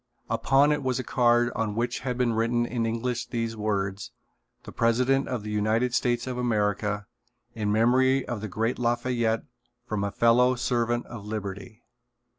Upon it was a card on which had been written in English the words: "The President of the United States of America. In memory of the great Lafayette from a fellow servant of liberty."